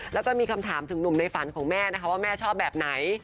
แล้วก็มีคำถามถึงหนุ่มในฝันของแม่นะคะว่าแม่ชอบแบบไหน